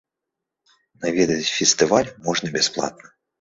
Наведаць фестываль можна бясплатна.